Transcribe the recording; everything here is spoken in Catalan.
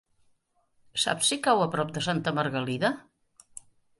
Saps si cau a prop de Santa Margalida?